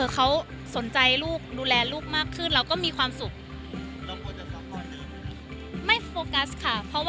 เขาสนใจลูกดูแลลูกมากขึ้นเราก็มีความสุข